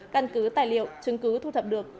căn cứ tài liệu chứng cứ thu thập được